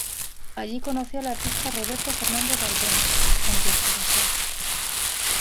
Allí conoció al artista Roberto Fernández Balbuena, con quien se casó.